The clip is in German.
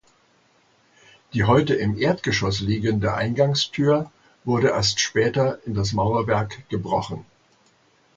Die heute im Erdgeschoss liegende Eingangstür wurde erst später in das Mauerwerk gebrochen.